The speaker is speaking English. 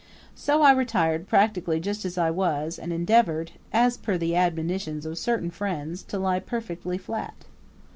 So I retired practically just as I was and endeavored, as per the admonitions of certain friends, to lie perfectly flat.